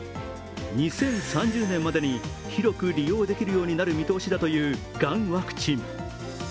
２０３０年までに広く利用できるようになる見通しだというがんワクチン。